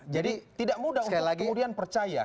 jadi tidak mudah untuk kemudian percaya